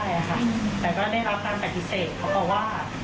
แต่ได้รับการปฏิเสธเขาก็บอกนะ